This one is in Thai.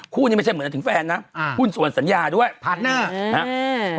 คู่นี่ไม่ใช่เหมือนถึงแฟนนะหุ้นส่วนสัญญาด้วยพาร์ทเนอร์